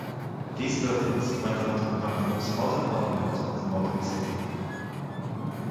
These buildings went on to become the most modern monument of the modern city.